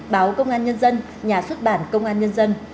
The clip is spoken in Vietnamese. báo công an nhân dân nhà xuất bản công an nhân dân